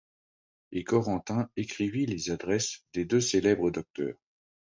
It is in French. Et Corentin écrivit les adresses des deux célèbres docteurs.